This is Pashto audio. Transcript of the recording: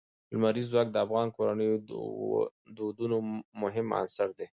لمریز ځواک د افغان کورنیو د دودونو مهم عنصر دی.